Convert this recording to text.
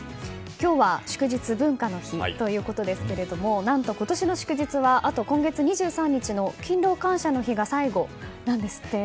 今日は祝日、文化の日ということですが何と今年の祝日は１２月２３日の勤労感謝の日が最後なんですって。